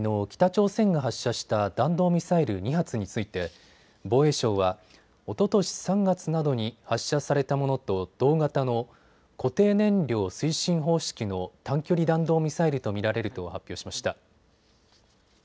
北朝鮮が発射した弾道ミサイル２発について防衛省はおととし３月などに発射されたものと同型の固定燃料推進方式の短距離弾道ミサイルと見られると発表しました。